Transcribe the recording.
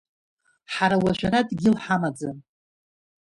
Ҳара уажә ара дгьыл ҳамаӡам.